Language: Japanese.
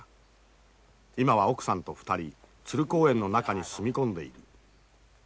今は奥さんと２人鶴公園の中に住み込んでいる。